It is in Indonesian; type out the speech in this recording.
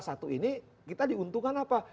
satu ini kita diuntungkan apa